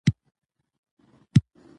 د فيمينستانو په اند له ښځو سره تبعيض